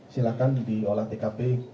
silakan di olah tkb